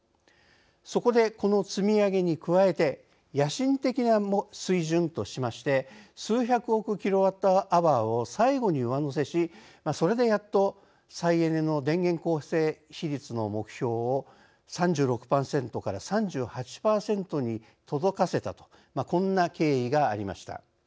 そこで、この積み上げに加えて「野心的な水準」としまして数百億ｋＷｈを最後に上乗せしそれで、やっと再エネの電源構成比率の目標を３６％３８％に届かせたとこんな経緯がありました。